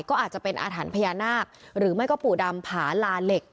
ก็อาจจะเป็นอาถรรพญานาคหรือไม่ก็ปู่ดำผาลาเหล็ก